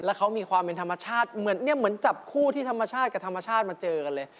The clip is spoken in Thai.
แล้วเขามีความเป็นธรรมชาติเหมือนเนี่ยเหมือนจับคู่ที่ธรรมชาติกับธรรมชาติมาเจอกันเลย